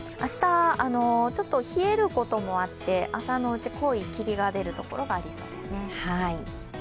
明日、ちょっと冷えることもあって朝のうち、濃い霧が出るところがありそうですね。